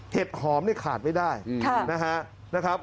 เห็ดหอมนี่ขาดไม่ได้นะครับ